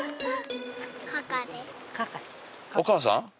お母さん？